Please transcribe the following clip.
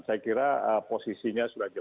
saya kira posisinya sudah jauh